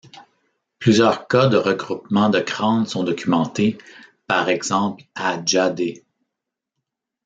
Plusieurs cas de regroupements de crânes sont documentés, par exemple à Dja'dé.